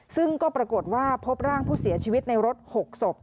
ซึ่งก็ปรากฏว่าพบร่างผู้เสียชีวิตในรถ๖ศพ